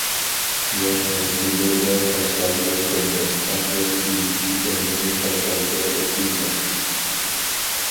ياش مەزگىللىرىدە قەشقەرگە كەلگەن ھەمدە كېيىنكى ئۆمرىنى قەشقەردە ئۆتكۈزگەن.